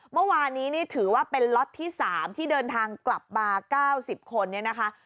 เมื่อวานนี้นี่ถือว่าเป็นล็อตที่๓ที่เดินทางกลับมา๙๐คนเนี่ยนะคะ